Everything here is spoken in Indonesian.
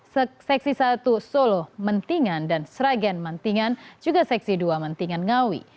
seksi satu solo mentingan dan sragen mentingan juga seksi dua mentingan ngawi